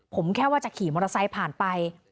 ผมแค่ว่าจะขี่มอเตอร์ไซค์ผ่านไป